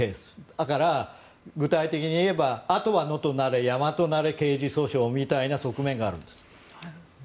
だから、具体的に言えばあとは野となれ山となれ刑事訴訟みたいな側面があるんです。